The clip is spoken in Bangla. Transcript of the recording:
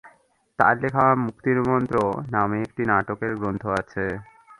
তার লেখা "মুক্তির মন্ত্র" নামে একটি নাটকের গ্রন্থ আছে।